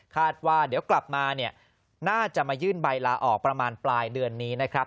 ว่าเดี๋ยวกลับมาเนี่ยน่าจะมายื่นใบลาออกประมาณปลายเดือนนี้นะครับ